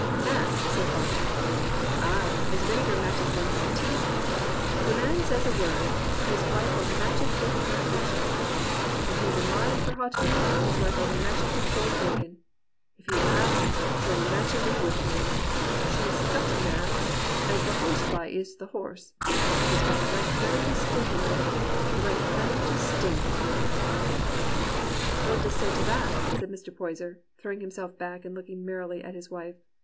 "* Match!' said Bartle; *ay, as vinegar matches one's teeth. If a man says a word, his wife '11 match it with a contradiction; if he's a mind for hot meat, his wife '11 match it with cold bacon; if he laughs, she'll match him with whimpering. She's such a match as the horsefly is to th' horse: she's got the right venom to sting him with — the right venom to sting him with.' "'What dost say to that.?' said Mr. Poyser, throwing himself back and looking merrily at his wife.